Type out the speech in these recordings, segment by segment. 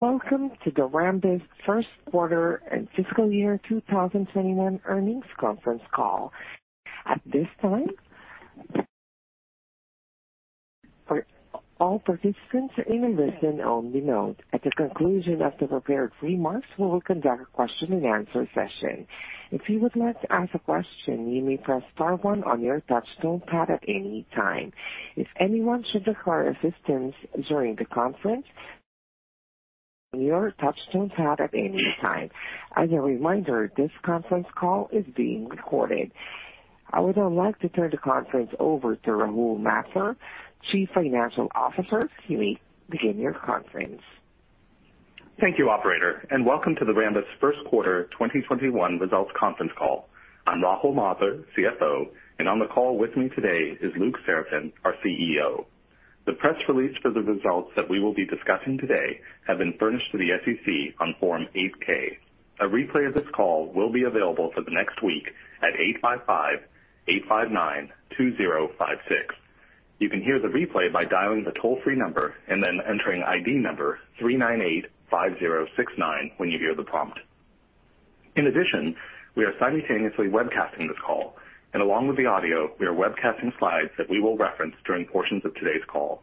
Welcome to the Rambus first quarter and fiscal year 2021 earnings conference call. At this time, all participants are in a listen-only mode. At the conclusion of the prepared remarks, we will conduct a question and answer session. If you would like to ask a question, you may press star one on your touch-tone pad at any time. If anyone should require assistance during the conference, use the touchtone pad at any time. As a reminder, this conference call is being recorded. I would now like to turn the conference over to Rahul Mathur, Chief Financial Officer. You may begin your conference. Thank you, operator, welcome to the Rambus first quarter 2021 results conference call. I'm Rahul Mathur, CFO, on the call with me today is Luc Seraphin, our CEO. The press release for the results that we will be discussing today have been furnished to the SEC on Form 8-K. A replay of this call will be available for the next week at 855-859-2056. You can hear the replay by dialing the toll-free number and then entering ID number 398-5069 when you hear the prompt. In addition, we are simultaneously webcasting this call, along with the audio, we are webcasting slides that we will reference during portions of today's call.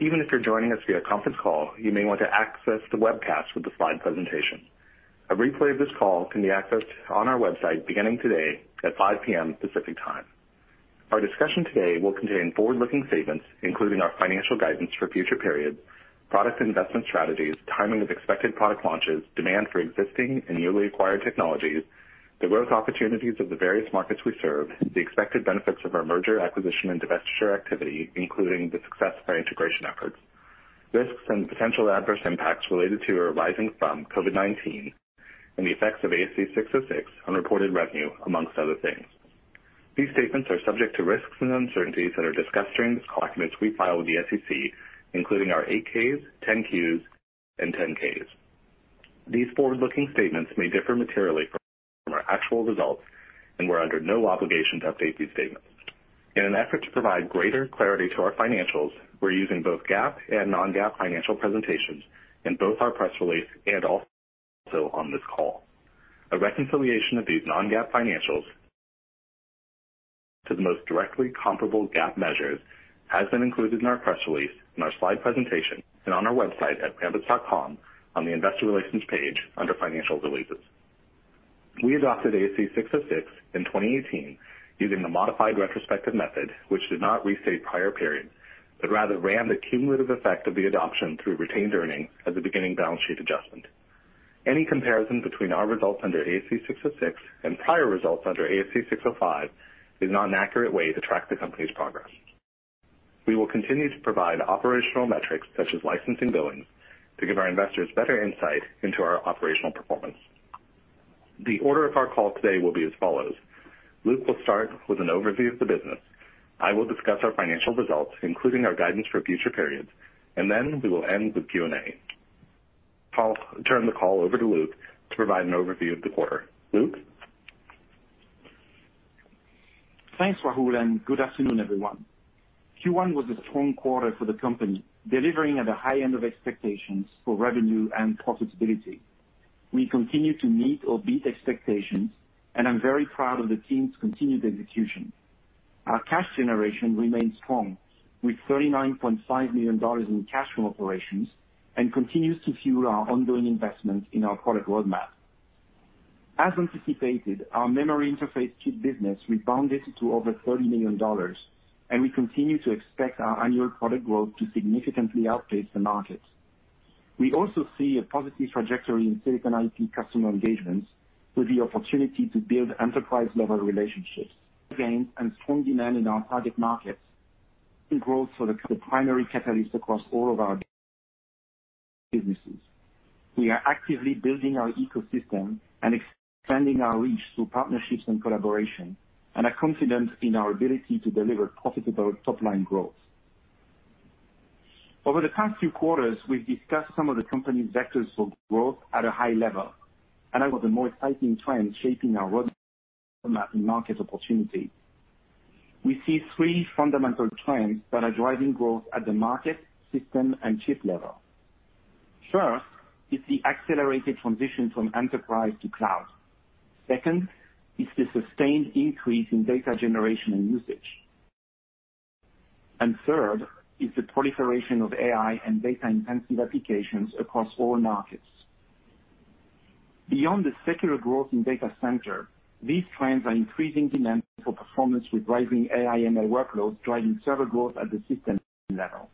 Even if you're joining us via conference call, you may want to access the webcast with the slide presentation. A replay of this call can be accessed on our website beginning today at 5:00 P.M. Pacific Time. Our discussion today will contain forward-looking statements, including our financial guidance for future periods, product investment strategies, timing of expected product launches, demand for existing and newly acquired technologies, the growth opportunities of the various markets we serve, the expected benefits of our merger, acquisition, and divestiture activity, including the success of our integration efforts, risks and potential adverse impacts related to or arising from COVID-19, and the effects of ASC 606 on reported revenue, amongst other things. These statements are subject to risks and uncertainties that are discussed during this call and which we file with the SEC, including our 8-Ks, 10-Qs, and 10-Ks. These forward-looking statements may differ materially from our actual results. We're under no obligation to update these statements. In an effort to provide greater clarity to our financials, we're using both GAAP and non-GAAP financial presentations in both our press release and also on this call. A reconciliation of these non-GAAP financials to the most directly comparable GAAP measures has been included in our press release, in our slide presentation, and on our website at rambus.com on the investor relations page under financial releases. We adopted ASC 606 in 2018 using the modified retrospective method, which did not restate prior periods, but rather ran the cumulative effect of the adoption through retained earnings as a beginning balance sheet adjustment. Any comparison between our results under ASC 606 and prior results under ASC 605 is not an accurate way to track the company's progress. We will continue to provide operational metrics such as licensing billings to give our investors better insight into our operational performance. The order of our call today will be as follows. Luc will start with an overview of the business. I will discuss our financial results, including our guidance for future periods, and then we will end with Q&A. I'll turn the call over to Luc to provide an overview of the quarter. Luc? Thanks, Rahul, and good afternoon, everyone. Q1 was a strong quarter for the company, delivering at the high end of expectations for revenue and profitability. We continue to meet or beat expectations, and I'm very proud of the team's continued execution. Our cash generation remains strong with $39.5 million in cash from operations and continues to fuel our ongoing investment in our product roadmap. As anticipated, our memory interface chip business rebounded to over $30 million, and we continue to expect our annual product growth to significantly outpace the market. We also see a positive trajectory in silicon IP customer engagements with the opportunity to build enterprise-level relationships again and strong demand in our target markets. Growth for the primary catalyst across all of our businesses. We are actively building our ecosystem and expanding our reach through partnerships and collaboration and are confident in our ability to deliver profitable top-line growth. Over the past few quarters, we've discussed some of the company's vectors for growth at a high level, and of the more exciting trends shaping our roadmap and market opportunity. We see three fundamental trends that are driving growth at the market, system, and chip level. First is the accelerated transition from enterprise to cloud. Second is the sustained increase in data generation and usage. Third is the proliferation of AI and data-intensive applications across all markets. Beyond the secular growth in data center, these trends are increasing demand for performance with rising AI/ML workloads, driving server growth at the system level.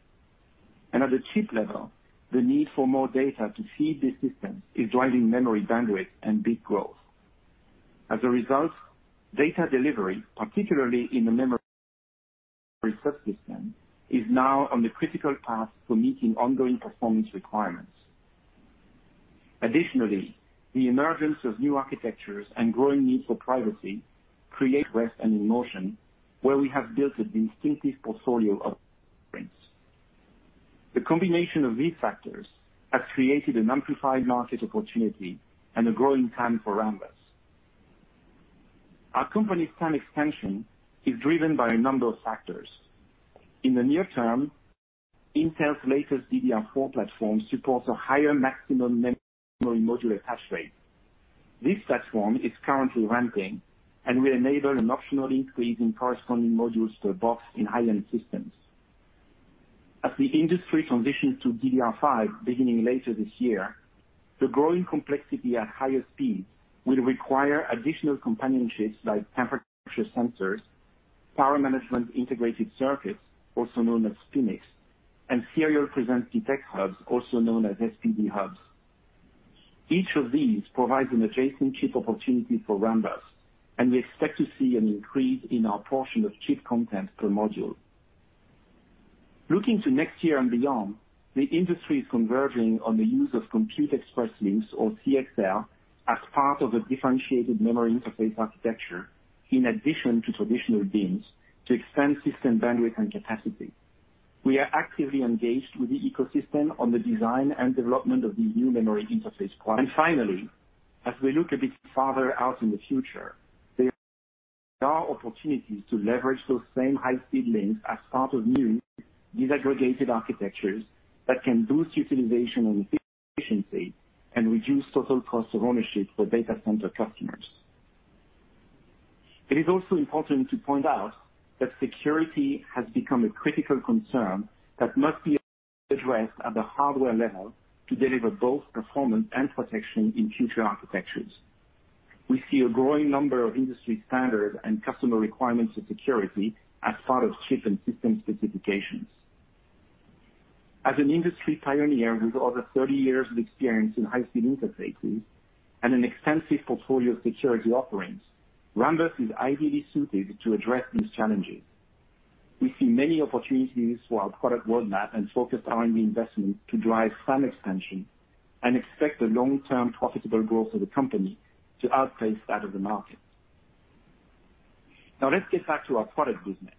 At the chip level, the need for more data to feed these systems is driving memory bandwidth and bit growth. As a result, data delivery, particularly in the memory subsystem, is now on the critical path for meeting ongoing performance requirements. Additionally, the emergence of new architectures and growing need for privacy create risks and innovation, where we have built a distinctive portfolio of patents. The combination of these factors has created an amplified market opportunity and a growing platform for Rambus. Our company's platform expansion is driven by a number of factors. In the near term, Intel's latest DDR4 platform supports a higher maximum memory module attach rate. This platform is currently ramping and will enable an optional increase in corresponding modules per box in high-end systems. As the industry transitions to DDR5 beginning later this year, the growing complexity at higher speeds will require additional companion chips like temperature sensors, power management integrated circuits, also known as PMICs, and serial presence detect hubs, also known as SPD hubs. Each of these provides an adjacent chip opportunity for Rambus, and we expect to see an increase in our portion of chip content per module. Looking to next year and beyond, the industry is converging on the use of Compute Express Link, or CXL, as part of a differentiated memory interface architecture, in addition to traditional DIMMs, to extend system bandwidth and capacity. We are actively engaged with the ecosystem on the design and development of the new memory interface. Finally, as we look a bit farther out in the future, there are opportunities to leverage those same high-speed links as part of new disaggregated architectures that can boost utilization and efficiency and reduce total cost of ownership for data center customers. It is also important to point out that security has become a critical concern that must be addressed at the hardware level to deliver both performance and protection in future architectures. We see a growing number of industry standards and customer requirements for security as part of chip and system specifications. As an industry pioneer with over 30 years of experience in high-speed interfaces and an extensive portfolio of security offerings, Rambus is ideally suited to address these challenges. We see many opportunities for our product roadmap and focused R&D investments to drive [TAM] expansion and expect the long-term profitable growth of the company to outpace that of the market. Let's get back to our product business.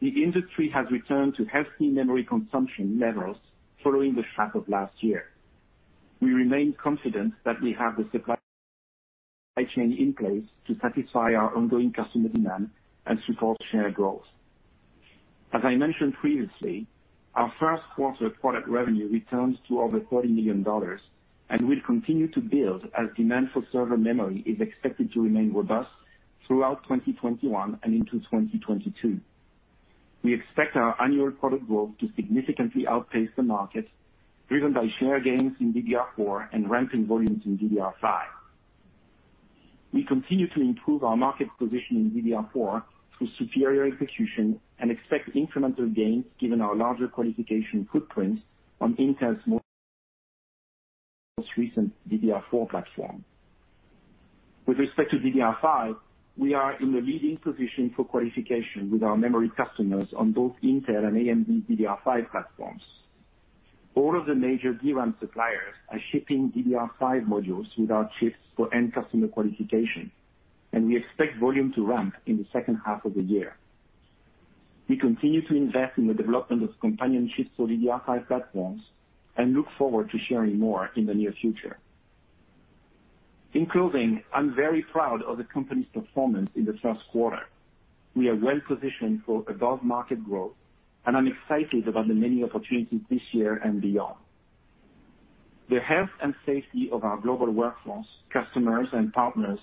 The industry has returned to healthy memory consumption levels following the shock of last year. We remain confident that we have the supply chain in place to satisfy our ongoing customer demand and support share growth. As I mentioned previously, our first quarter product revenue returns to over $40 million and will continue to build as demand for server memory is expected to remain robust throughout 2021 and into 2022. We expect our annual product growth to significantly outpace the market, driven by share gains in DDR4 and ramped volumes in DDR5. We continue to improve our market position in DDR4 through superior execution and expect incremental gains given our larger qualification footprint on Intel's most recent DDR4 platform. With respect to DDR5, we are in the leading position for qualification with our memory customers on both Intel and AMD DDR5 platforms. All of the major DRAM suppliers are shipping DDR5 modules with our chips for end customer qualification, and we expect volume to ramp in the second half of the year. We continue to invest in the development of companion chips for DDR5 platforms and look forward to sharing more in the near future. In closing, I'm very proud of the company's performance in the first quarter. We are well positioned for above-market growth, and I'm excited about the many opportunities this year and beyond. The health and safety of our global workforce, customers, and partners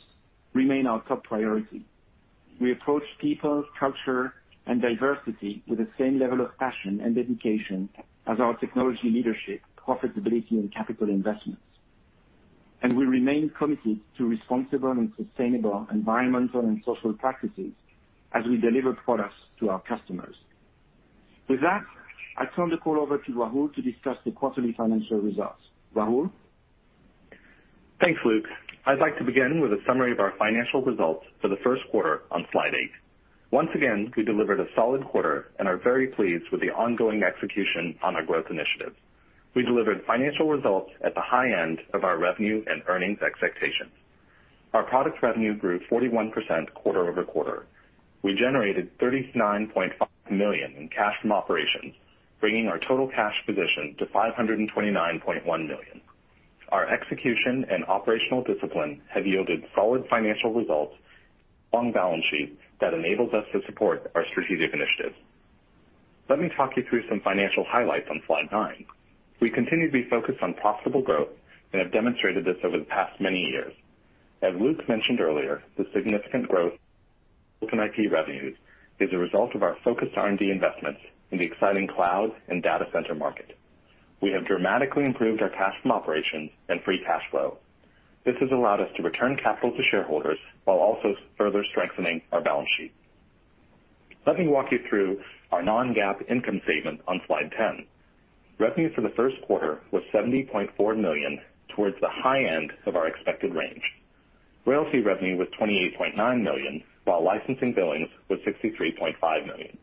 remain our top priority. We approach people's culture and diversity with the same level of passion and dedication as our technology leadership, profitability, and capital investments. We remain committed to responsible and sustainable environmental and social practices as we deliver products to our customers. With that, I turn the call over to Rahul to discuss the quarterly financial results. Rahul? Thanks, Luc. I'd like to begin with a summary of our financial results for the first quarter on slide eight. Once again, we delivered a solid quarter and are very pleased with the ongoing execution on our growth initiatives. We delivered financial results at the high end of our revenue and earnings expectations. Our product revenue grew 41% quarter-over-quarter. We generated $39.5 million in cash from operations, bringing our total cash position to $529.1 million. Our execution and operational discipline have yielded solid financial results on balance sheets that enables us to support our strategic initiatives. Let me talk you through some financial highlights on slide nine. We continue to be focused on profitable growth and have demonstrated this over the past many years. As Luc mentioned earlier, the significant growth in IP revenues is a result of our focused R&D investments in the exciting cloud and data center market. We have dramatically improved our cash from operations and free cash flow. This has allowed us to return capital to shareholders while also further strengthening our balance sheet. Let me walk you through our non-GAAP income statement on slide 10. Revenue for the first quarter was $70.4 million, towards the high end of our expected range. Royalty revenue was $28.9 million, while licensing billings was $63.5 million.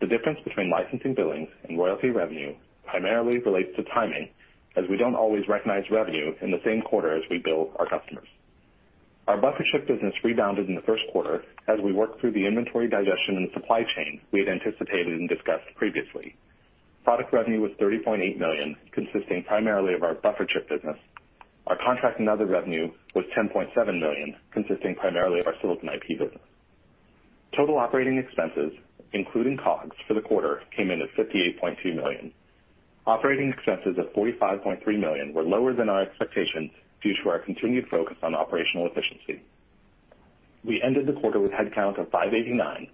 The difference between licensing billings and royalty revenue primarily relates to timing, as we don't always recognize revenue in the same quarter as we bill our customers. Our buffer chip business rebounded in the first quarter as we worked through the inventory digestion and supply chain we had anticipated and discussed previously. Product revenue was $30.8 million, consisting primarily of our buffer chip business. Our contract and other revenue was $10.7 million, consisting primarily of our silicon IP business. Total operating expenses, including COGS for the quarter, came in at $58.2 million. Operating expenses of $45.3 million were lower than our expectations due to our continued focus on operational efficiency. We ended the quarter with headcount of 589,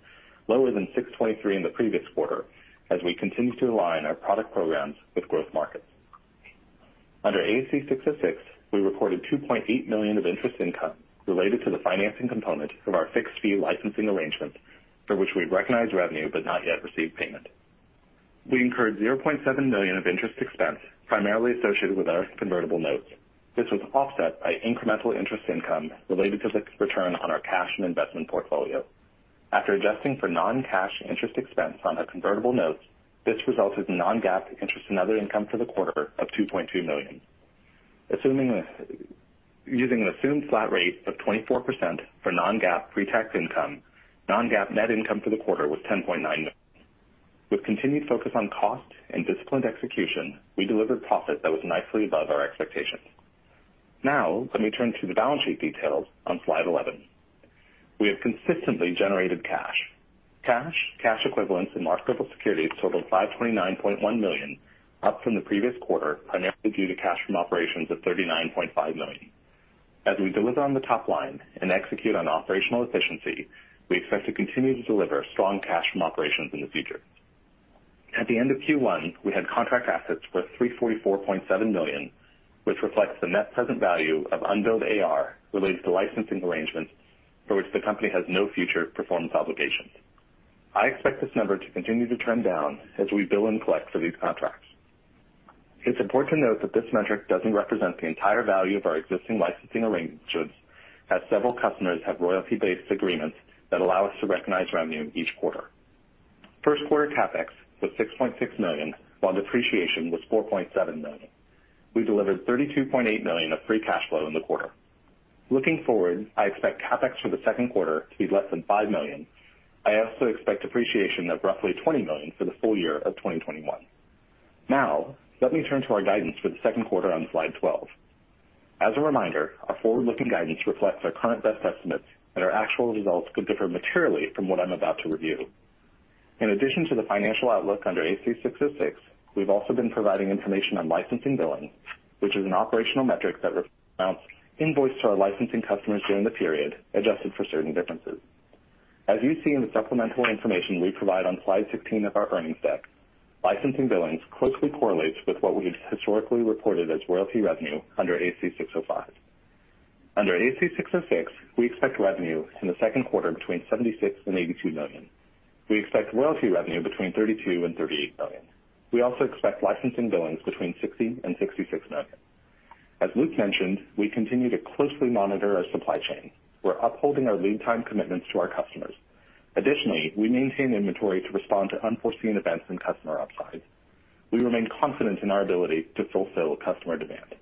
lower than 623 in the previous quarter, as we continue to align our product programs with growth markets. Under ASC 606, we reported $2.8 million of interest income related to the financing component of our fixed-fee licensing arrangement, for which we recognized revenue but not yet received payment. We incurred $0.7 million of interest expense primarily associated with our convertible notes. This was offset by incremental interest income related to the return on our cash and investment portfolio. After adjusting for non-cash interest expense on our convertible notes, this resulted in non-GAAP interest and other income for the quarter of $2.2 million. Using an assumed flat rate of 24% for non-GAAP pre-tax income, non-GAAP net income for the quarter was $10.9 million. With continued focus on cost and disciplined execution, we delivered profit that was nicely above our expectations. Now, let me turn to the balance sheet details on slide 11. We have consistently generated cash. Cash, cash equivalents, and marketable securities totaled $529.1 million, up from the previous quarter, primarily due to cash from operations of $39.5 million. As we deliver on the top line and execute on operational efficiency, we expect to continue to deliver strong cash from operations in the future. At the end of Q1, we had contract assets worth $344.7 million, which reflects the net present value of unbilled AR related to licensing arrangements for which the company has no future performance obligations. I expect this number to continue to trend down as we bill and collect for these contracts. It's important to note that this metric doesn't represent the entire value of our existing licensing arrangements, as several customers have royalty-based agreements that allow us to recognize revenue each quarter. First quarter CapEx was $6.6 million, while depreciation was $4.7 million. We delivered $32.8 million of free cash flow in the quarter. Looking forward, I expect CapEx for the second quarter to be less than $5 million. I also expect depreciation of roughly $20 million for the full year of 2021. Let me turn to our guidance for the second quarter on slide 12. As a reminder, our forward-looking guidance reflects our current best estimates, and our actual results could differ materially from what I'm about to review. In addition to the financial outlook under ASC 606, we've also been providing information on licensing billing, which is an operational metric that amounts invoice to our licensing customers during the period, adjusted for certain differences. As you see in the supplemental information we provide on slide 16 of our earnings deck, licensing billings closely correlates with what we've historically reported as royalty revenue under ASC 605. Under ASC 606, we expect revenue in the second quarter between $76 million and $82 million. We expect royalty revenue between $32 million and $38 million. We also expect licensing billings between $60 million and $66 million. As Luc mentioned, we continue to closely monitor our supply chain. We're upholding our lead time commitments to our customers. Additionally, we maintain inventory to respond to unforeseen events and customer upside. We remain confident in our ability to fulfill customer demand.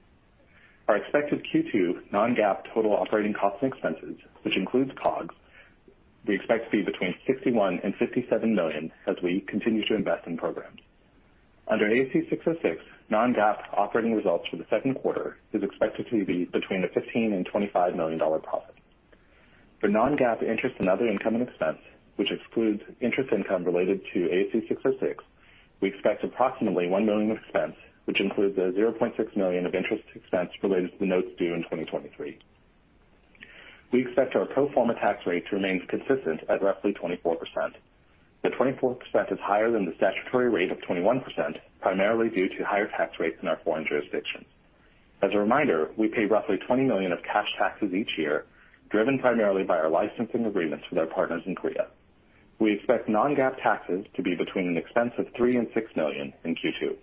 Our expected Q2 non-GAAP total operating costs and expenses, which includes COGS, we expect to be between $61 million and $57 million as we continue to invest in programs. Under ASC 606, non-GAAP operating results for the second quarter is expected to be between a $15 million and $25 million profit. For non-GAAP interest and other income and expense, which excludes interest income related to ASC 606, we expect approximately $1 million of expense, which includes $0.6 million of interest expense related to the notes due in 2023. We expect our pro forma tax rate to remain consistent at roughly 24%. The 24% is higher than the statutory rate of 21%, primarily due to higher tax rates in our foreign jurisdictions. As a reminder, we pay roughly $20 million of cash taxes each year, driven primarily by our licensing agreements with our partners in Korea. We expect non-GAAP taxes to be between an expense of $3 million and $6 million in Q2.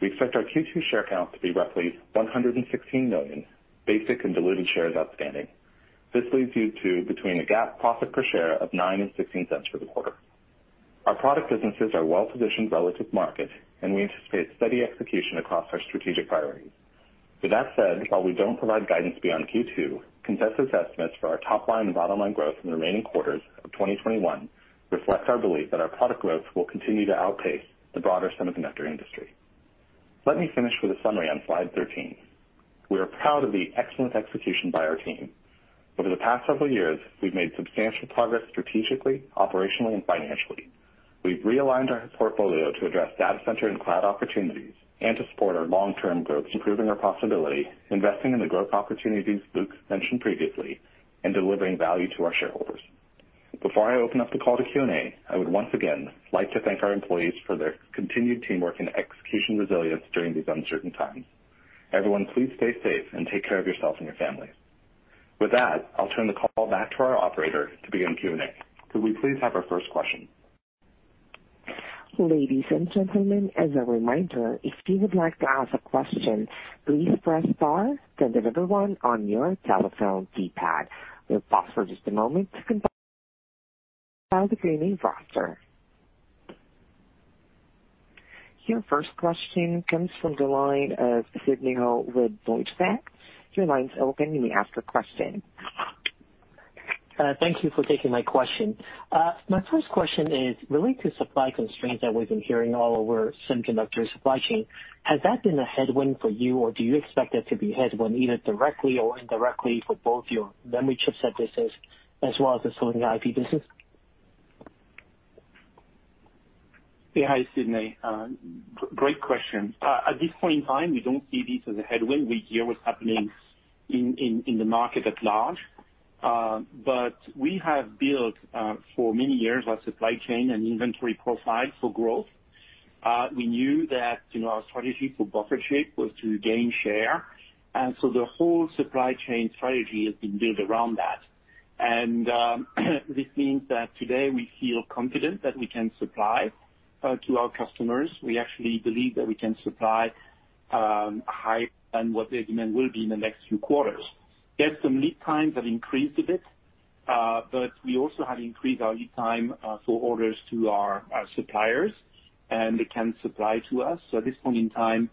We expect our Q2 share count to be roughly 116 million basic and diluted shares outstanding. This leads you to between a GAAP profit per share of $0.09 and $0.16 for the quarter. Our product businesses are well-positioned relative market, and we anticipate steady execution across our strategic priorities. With that said, while we don't provide guidance beyond Q2, consensus estimates for our top line and bottom line growth in the remaining quarters of 2021 reflect our belief that our product growth will continue to outpace the broader semiconductor industry. Let me finish with a summary on slide 13. We are proud of the excellent execution by our team. Over the past several years, we've made substantial progress strategically, operationally, and financially. We've realigned our portfolio to address data center and cloud opportunities and to support our long-term growth, improving our profitability, investing in the growth opportunities Luc mentioned previously, and delivering value to our shareholders. Before I open up the call to Q&A, I would once again like to thank our employees for their continued teamwork and execution resilience during these uncertain times. Everyone, please stay safe and take care of yourself and your families. With that, I'll turn the call back to our operator to begin Q&A. Could we please have our first question? Ladies and gentlemen, as a reminder, if you'd like to ask a question, please press star and then the number one on your telephone keypad. We'll pause for a moment to compile the Q&A roster. Your first question comes from the line of Sidney Ho with Deutsche Bank. Your line's open. You may ask your question. Thank you for taking my question. My first question is related to supply constraints that we've been hearing all over semiconductor supply chain. Has that been a headwind for you, or do you expect that to be a headwind, either directly or indirectly, for both your memory chip services as well as the silicon IP business? Hi, Sidney. Great question. At this point in time, we don't see this as a headwind. We hear what's happening in the market at large. We have built, for many years, our supply chain and inventory profile for growth. We knew that our strategy for buffer chip was to gain share, the whole supply chain strategy has been built around that. This means that today we feel confident that we can supply to our customers. We actually believe that we can supply higher than what the demand will be in the next few quarters. Yes, some lead times have increased a bit, but we also have increased our lead time for orders to our suppliers, and they can supply to us. At this point in time,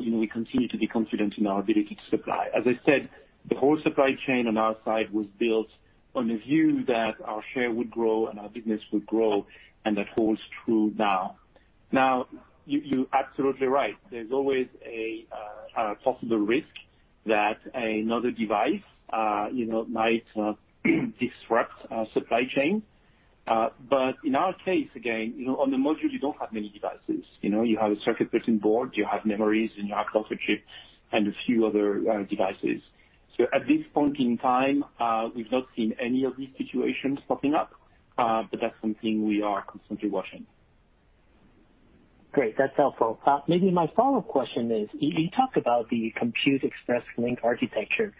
we continue to be confident in our ability to supply. As I said, the whole supply chain on our side was built on the view that our share would grow and our business would grow, and that holds true now. You're absolutely right. There's always a possible risk that another device might disrupt our supply chain. In our case, again, on the module, you don't have many devices. You have a circuit printing board, you have memories, and you have buffer chips and a few other devices. At this point in time, we've not seen any of these situations popping up, but that's something we are constantly watching. Great. That's helpful. Maybe my follow-up question is, you talked about the Compute Express Link architecture.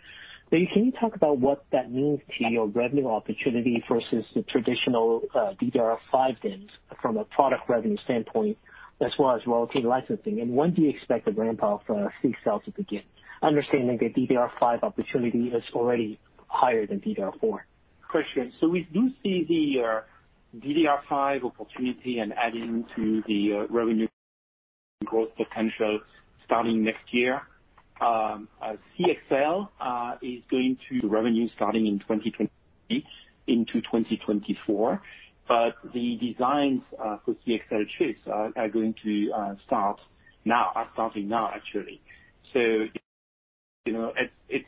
Maybe can you talk about what that means to your revenue opportunity versus the traditional DDR5 DIMMs from a product revenue standpoint, as well as royalty licensing? When do you expect the ramp of CXL to begin, understanding the DDR5 opportunity is already higher than DDR4. Good question. We do see the DDR5 opportunity and adding to the revenue growth potential starting next year. CXL is going to the revenue starting in 2023 into 2024. The designs for CXL chips are going to start now. Are starting now, actually. It's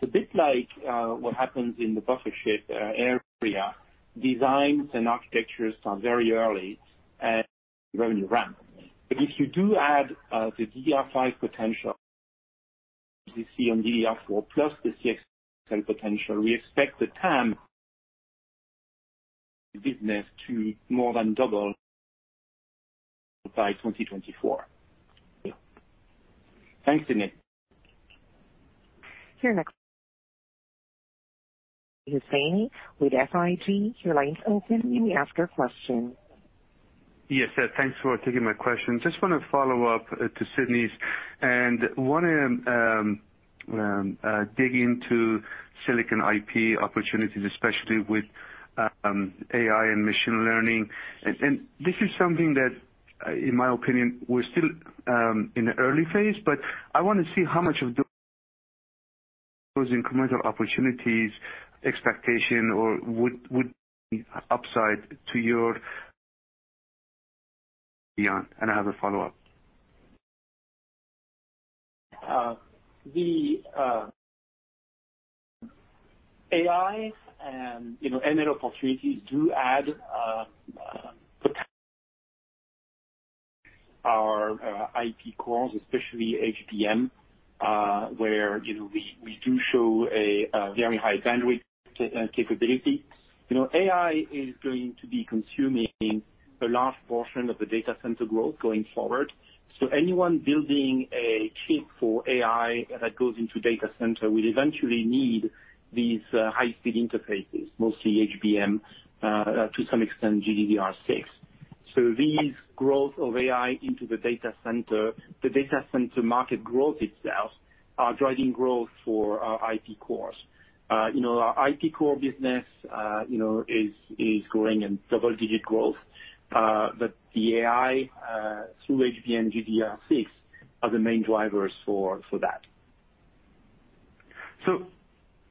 a bit like what happens in the buffer chip area. Designs and architectures start very early and revenue ramp. If you do add the DDR5 potential this year on DDR4 plus the CXL potential, we expect the TAM business to more than double by 2024. Thanks, Sidney. Your next. Mehdi Hosseini with SIG, your line is open. You may ask your question. Yes. Thanks for taking my question. Just want to follow up to Sidney's and want to dig into silicon IP opportunities, especially with AI and machine learning. This is something that, in my opinion, we're still in the early phase, but I want to see how much of those incremental opportunities expectation or would be upside to your beyond. I have a follow-up. The AI and ML opportunities do add our IP cores, especially HBM, where we do show a very high bandwidth capability. AI is going to be consuming a large portion of the data center growth going forward. Anyone building a chip for AI that goes into data center will eventually need these high-speed interfaces, mostly HBM, to some extent GDDR6. These growth of AI into the data center, the data center market growth itself are driving growth for our IP cores. Our IP core business is growing in double-digit growth. The AI through HBM, GDDR6 are the main drivers for that.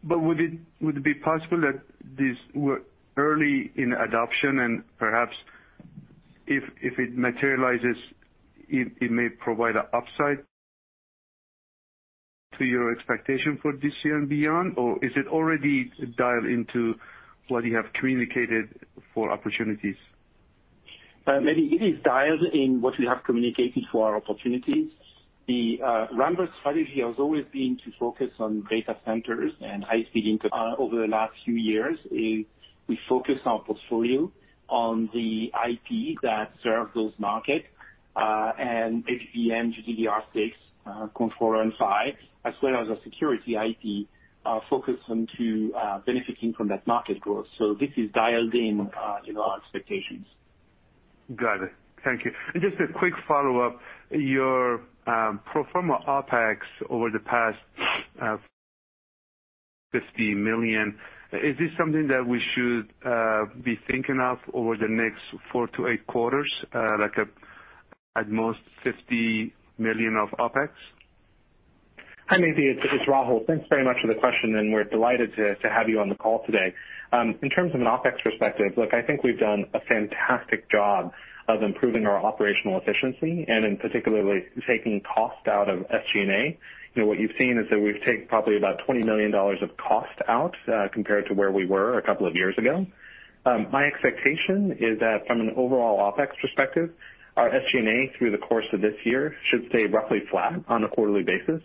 Would it be possible that these were early in adoption, and perhaps if it materializes, it may provide an upside to your expectation for this year and beyond? Or is it already dialed into what you have communicated for opportunities? Maybe it is dialed in what we have communicated for our opportunities. The Rambus strategy has always been to focus on data centers and high speed over the last few years. We focus our portfolio on the IP that serves those markets, and HBM, GDDR6, controller and PHY, as well as our security IP, are focused into benefiting from that market growth. This is dialed in our expectations. Got it. Thank you. Just a quick follow-up. Your pro forma OpEx over the past $50 million, is this something that we should be thinking of over the next four to eight quarters? Like at most $50 million of OpEx? Hi, Mehdi. It's Rahul. Thanks very much for the question, and we're delighted to have you on the call today. In terms of an OpEx perspective, look, I think we've done a fantastic job of improving our operational efficiency and in particularly taking cost out of SG&A. What you've seen is that we've taken probably about $20 million of cost out compared to where we were a couple of years ago. My expectation is that from an overall OpEx perspective, our SG&A through the course of this year should stay roughly flat on a quarterly basis.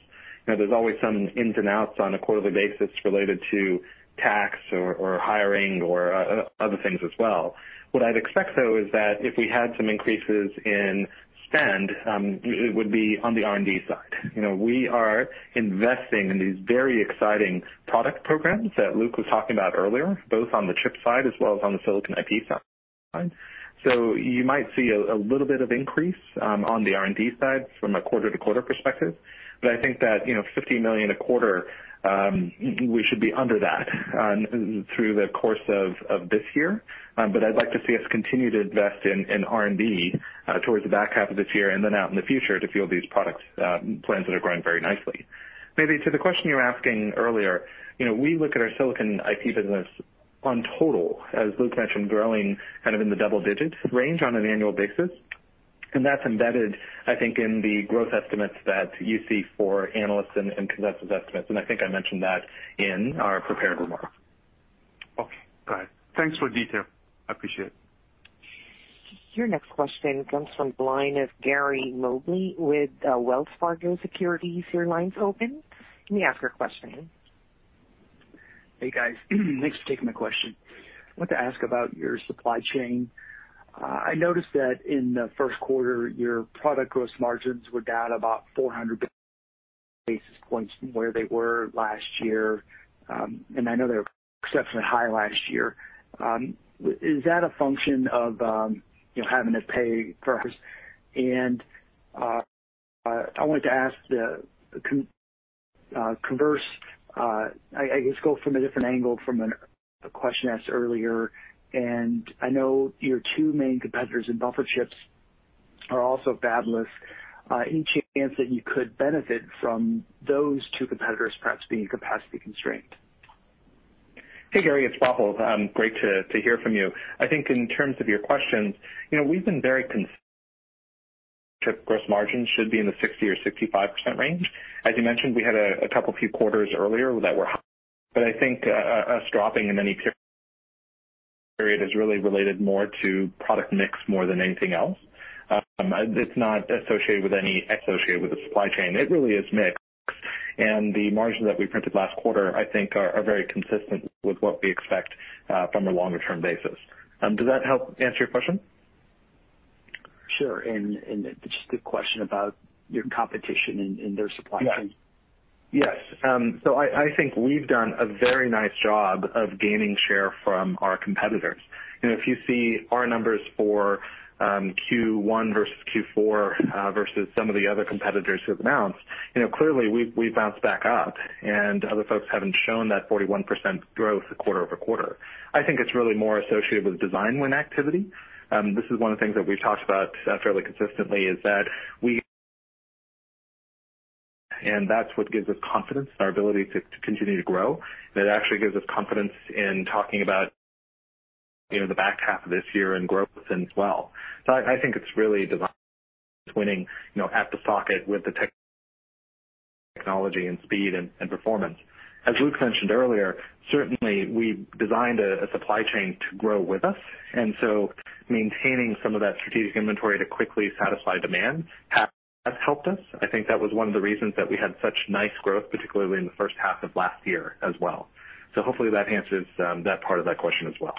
There's always some ins and outs on a quarterly basis related to tax or hiring or other things as well. What I'd expect, though, is that if we had some increases in spend, it would be on the R&D side. We are investing in these very exciting product programs that Luc was talking about earlier, both on the chip side as well as on the silicon IP side. You might see a little bit of increase on the R&D side from a quarter-to-quarter perspective, I think that $50 million a quarter, we should be under that through the course of this year. I'd like to see us continue to invest in R&D towards the back half of this year and then out in the future to fuel these product plans that are growing very nicely. Mehdi, to the question you were asking earlier, we look at our silicon IP business on total, as Luc mentioned, growing kind of in the double digits range on an annual basis. That's embedded, I think, in the growth estimates that you see for analysts and consensus estimates, and I think I mentioned that in our prepared remarks. Okay, got it. Thanks for the detail. I appreciate it. Your next question comes from the line of Gary Mobley with Wells Fargo Securities. Your line's open. You may ask your question. Hey, guys. Thanks for taking my question. I wanted to ask about your supply chain. I noticed that in the first quarter, your product gross margins were down about 400 basis points from where they were last year. I know they were exceptionally high last year. Is that a function of having to pay? I wanted to ask the converse, I guess go from a different angle from a question asked earlier. I know your two main competitors in buffer chips are also fabless. Any chance that you could benefit from those two competitors perhaps being capacity constrained? Hey, Gary, it's Rahul. Great to hear from you. I think in terms of your questions, we've been very chip gross margins should be in the 60% or 65% range. As you mentioned, we had a couple few quarters earlier that were high, but I think us dropping in any period is really related more to product mix more than anything else. It's not associated with the supply chain. It really is mix, and the margins that we printed last quarter, I think, are very consistent with what we expect from a longer-term basis. Does that help answer your question? Sure. Just a quick question about your competition and their supply chain. Yes. I think we've done a very nice job of gaining share from our competitors. If you see our numbers for Q1 versus Q4 versus some of the other competitors who've announced, clearly we've bounced back up, and other folks haven't shown that 41% growth quarter-over-quarter. I think it's really more associated with design win activity. This is one of the things that we've talked about fairly consistently, and that's what gives us confidence in our ability to continue to grow. It actually gives us confidence in talking about the back half of this year and growth as well. I think it's really design winning at the socket with the technology and speed and performance. As Luc mentioned earlier, certainly we've designed a supply chain to grow with us, maintaining some of that strategic inventory to quickly satisfy demand has helped us. I think that was one of the reasons that we had such nice growth, particularly in the first half of last year as well. Hopefully that answers that part of that question as well.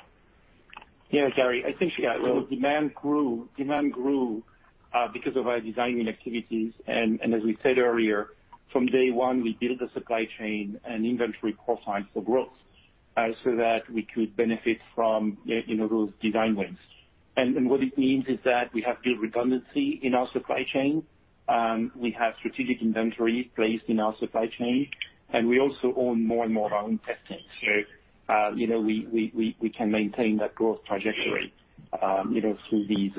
Yeah, Gary, I think demand grew because of our designing activities. As we said earlier, from day one, we built the supply chain and inventory core designs for growth so that we could benefit from those design wins. What it means is that we have built redundancy in our supply chain. We have strategic inventory placed in our supply chain, and we also own more and more of our own testing. We can maintain that growth trajectory through these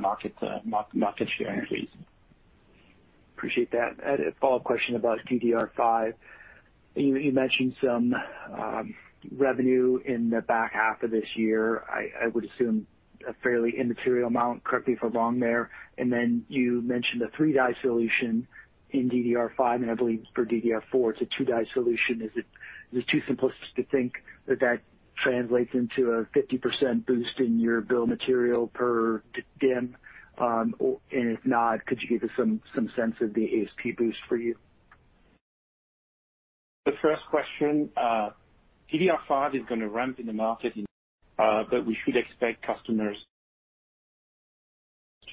market share increases. Appreciate that. A follow-up question about DDR5. You mentioned some revenue in the back half of this year. I would assume a fairly immaterial amount. Correct me if I'm wrong there. Then you mentioned a three-die solution in DDR5, and I believe for DDR4, it's a two-die solution. Is it too simplistic to think that that translates into a 50% boost in your bill of material per DIMM? If not, could you give us some sense of the ASP boost for you? The first question, DDR5 is going to ramp in the market, but we should expect customers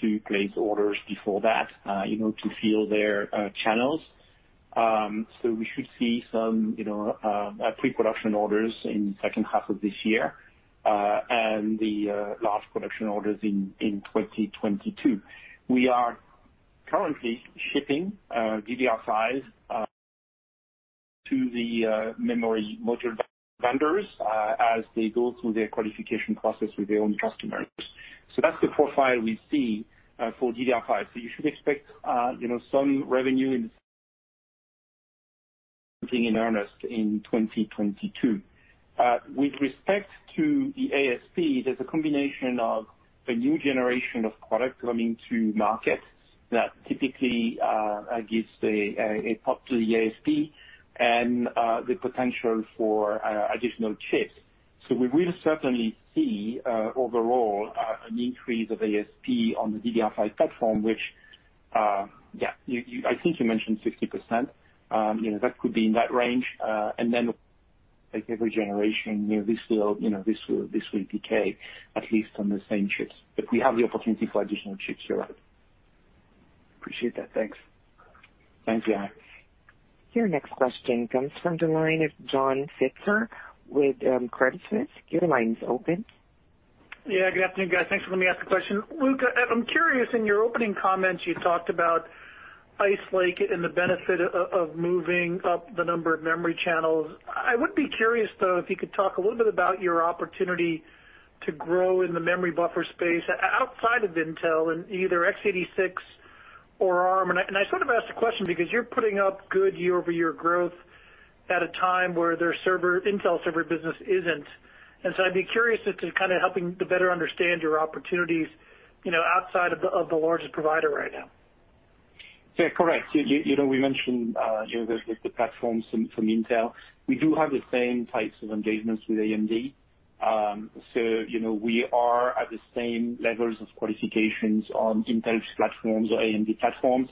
to place orders before that to fill their channels. We should see some pre-production orders in the second half of this year, and the large production orders in 2022. We are currently shipping DDR5 to the memory module vendors as they go through their qualification process with their own customers. That's the profile we see for DDR5. You should expect some revenue in earnest in 2022. With respect to the ASP, there's a combination of a new generation of product coming to market that typically gives a pop to the ASP and the potential for additional chips. We will certainly see, overall, an increase of ASP on the DDR5 platform, which, I think you mentioned 60%. That could be in that range. Like every generation, this will decay, at least on the same chips. We have the opportunity for additional chips here. Appreciate that. Thanks. Thanks, yeah. Your next question comes from the line of John Pitzer with Credit Suisse. Your line is open. Good afternoon, guys. Thanks for letting me ask a question. Luc, I'm curious, in your opening comments, you talked about Ice Lake and the benefit of moving up the number of memory channels. I would be curious, though, if you could talk a little bit about your opportunity to grow in the memory buffer space outside of Intel, in either x86 or ARM. I sort of ask the question because you're putting up good year-over-year growth at a time where their Intel server business isn't. I'd be curious as to kind of helping to better understand your opportunities outside of the largest provider right now. Yeah, correct. We mentioned with the platforms from Intel. We do have the same types of engagements with AMD. We are at the same levels of qualifications on Intel's platforms or AMD platforms.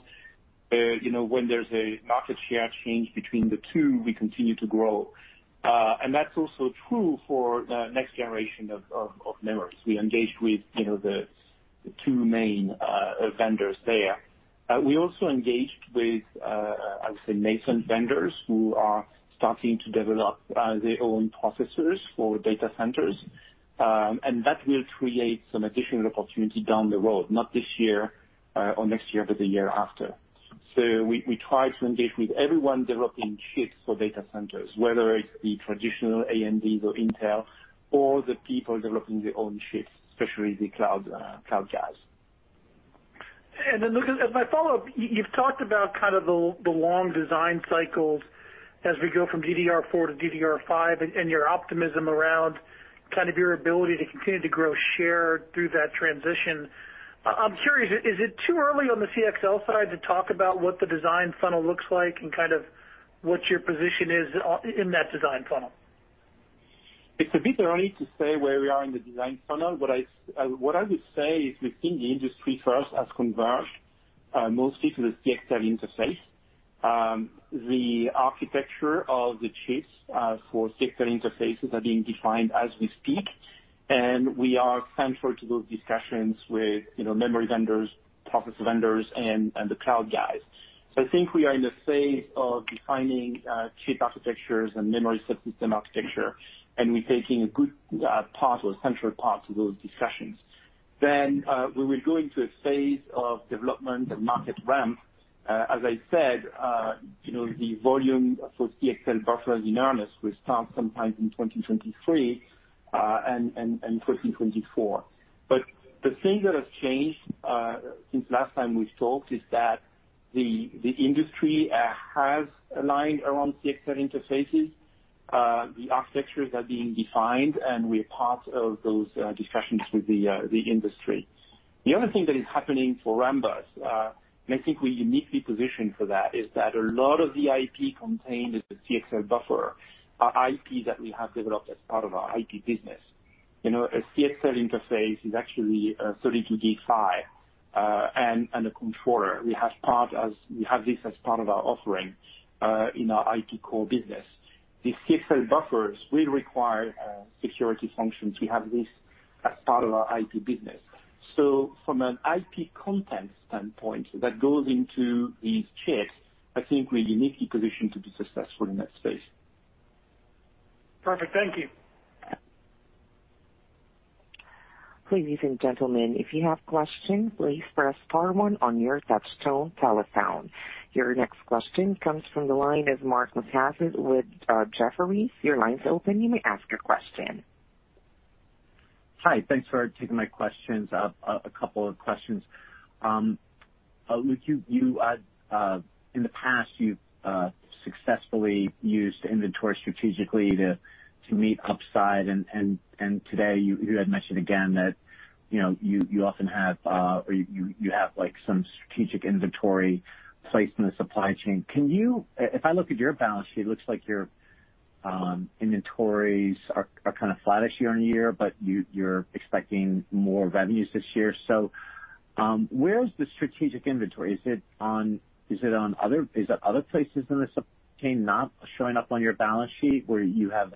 When there's a market share change between the two, we continue to grow. That's also true for the next generation of memories. We engaged with the two main vendors there. We also engaged with, I would say, nascent vendors who are starting to develop their own processors for data centers, and that will create some additional opportunity down the road, not this year or next year, but the year after. We try to engage with everyone developing chips for data centers, whether it's the traditional AMDs or Intel or the people developing their own chips, especially the cloud guys. Luc, as my follow-up, you've talked about kind of the long design cycles as we go from DDR4 to DDR5 and your optimism around kind of your ability to continue to grow share through that transition. I'm curious, is it too early on the CXL side to talk about what the design funnel looks like and kind of what your position is in that design funnel? It's a bit early to say where we are in the design funnel. What I would say is we think the industry first has converged, mostly to the CXL interface. The architecture of the chips for CXL interfaces are being defined as we speak. We are central to those discussions with memory vendors, process vendors, and the cloud guys. I think we are in the phase of defining chip architectures and memory subsystem architecture. We're taking a good part or a central part to those discussions. We will go into a phase of development and market ramp. As I said, the volume for CXL buffers in earnest will start sometime in 2023 and 2024. The thing that has changed, since last time we talked is that the industry has aligned around CXL interfaces. The architectures are being defined, and we're part of those discussions with the industry. The other thing that is happening for Rambus, and I think we're uniquely positioned for that, is that a lot of the IP contained in the CXL buffer are IP that we have developed as part of our IP business. A CXL interface is actually a 32 GT/s and a controller. We have this as part of our offering in our IP core business. These CXL buffers will require security functions. We have this as part of our IP business. From an IP content standpoint, that goes into these chips, I think we're uniquely positioned to be successful in that space. Perfect. Thank you. Ladies and gentlemen, if you have questions, please press star one on your touch-tone telephone. Your next question comes from the line of Mark Lipacis with Jefferies. Your line is open. You may ask your question. Hi. Thanks for taking my questions. A couple of questions. Luc, in the past, you've successfully used inventory strategically to meet upside and today you had mentioned again that you have some strategic inventory placed in the supply chain. If I look at your balance sheet, it looks like your inventories are kind of flat this year on year, but you're expecting more revenues this year. Where is the strategic inventory? Is it on other places in the supply chain not showing up on your balance sheet where you have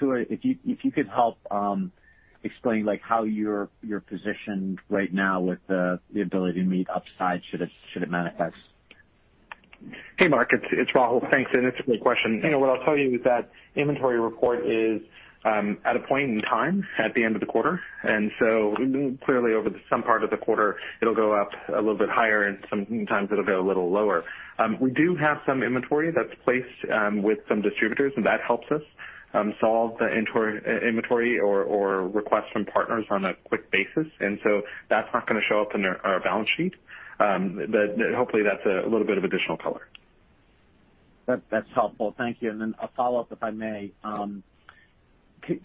inventory? If you could help explain how you're positioned right now with the ability to meet upside should it manifest. Hey, Mark, it's Rahul. Thanks. An interesting question. What I'll tell you is that inventory report is at a point in time, at the end of the quarter. Clearly over some part of the quarter, it'll go up a little bit higher. Sometimes it'll go a little lower. We do have some inventory that's placed with some distributors. That helps us solve the inventory or requests from partners on a quick basis. That's not going to show up in our balance sheet. Hopefully that's a little bit of additional color. That's helpful. Thank you. A follow-up, if I may. Can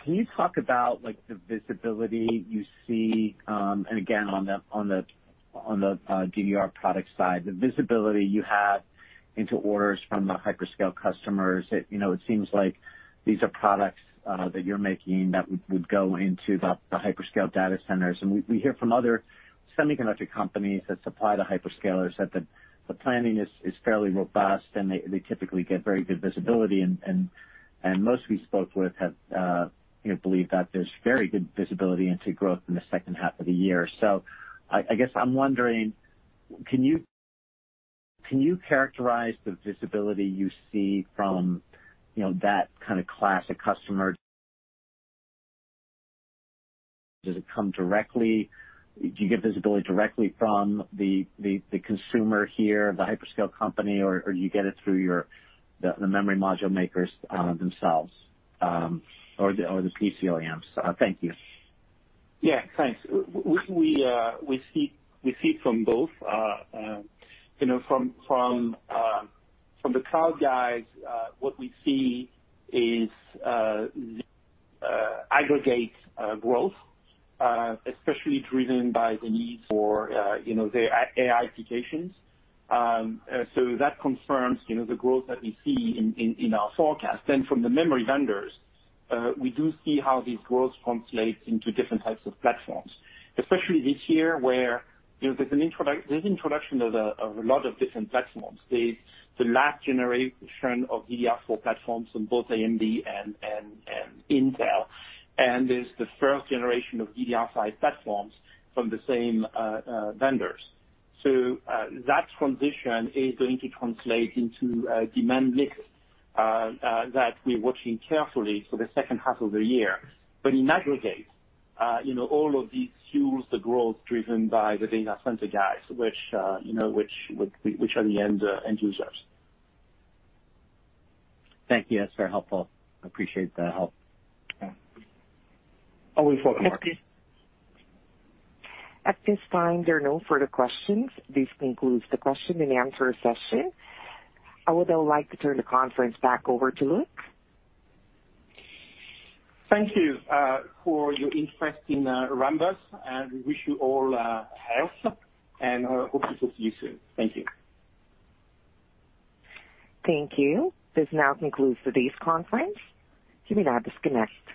you talk about the visibility you see, and again, on the DDR product side, the visibility you have into orders from the hyperscale customers? It seems like these are products that you're making that would go into the hyperscale data centers. We hear from other semiconductor companies that supply to hyperscalers that the planning is fairly robust, and they typically get very good visibility, and most we spoke with have believed that there's very good visibility into growth in the second half of the year. I guess I'm wondering, can you characterize the visibility you see from that kind of classic customer? Does it come directly? Do you get visibility directly from the consumer here, the hyperscale company, or you get it through the memory module makers themselves, or the [DCLMs]? Thank you. Thanks. We see from both. From the cloud guys, what we see is aggregate growth, especially driven by the need for their AI applications. That confirms the growth that we see in our forecast. From the memory vendors, we do see how this growth translates into different types of platforms, especially this year, where there's introduction of a lot of different platforms. There's the last generation of DDR4 platforms on both AMD and Intel, and there's the first generation of DDR5 platforms from the same vendors. That transition is going to translate into a demand mix that we're watching carefully for the second half of the year. In aggregate all of these fuels the growth driven by the data center guys, which are the end users. Thank you. That's very helpful. I appreciate the help. Always welcome, Mark. At this time, there are no further questions. This concludes the question and answer session. I would now like to turn the conference back over to Luc. Thank you for your interest in Rambus, and we wish you all health and hope to talk to you soon. Thank you. Thank you. This now concludes today's conference. You may now disconnect.